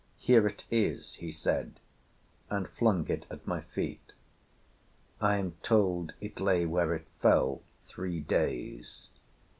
Here it is,' he said, and flung it at my feet. I am told it lay where it fell three days."